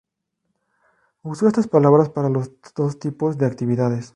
Usó estas palabras para los dos tipos de actividades.